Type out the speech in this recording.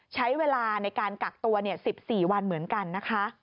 ใช้เวลาในการกักตัว๑๔วันเหมือนกันนะคะ